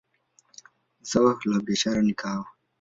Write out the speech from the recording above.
Zao la biashara ni kahawa.